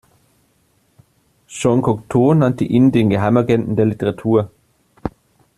Jean Cocteau nannte ihn den „Geheimagenten der Literatur“.